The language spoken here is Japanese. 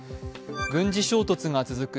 軍事衝突が続く